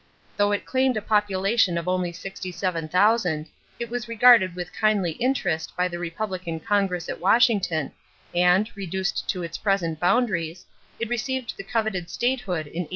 Though it claimed a population of only 67,000, it was regarded with kindly interest by the Republican Congress at Washington and, reduced to its present boundaries, it received the coveted statehood in 1867.